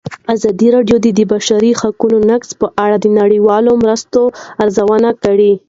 ازادي راډیو د د بشري حقونو نقض په اړه د نړیوالو مرستو ارزونه کړې.